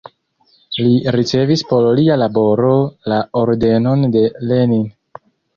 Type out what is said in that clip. Li ricevis por lia laboro la Ordenon de Lenin.